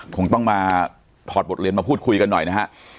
คงต้องมาถอดบทเรียนมาพูดคุยกันหน่อยนะฮะ